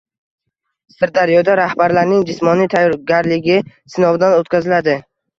Sirdaryoda rahbarlarning jismoniy tayyorgarligi sinovdan o‘tkaziladi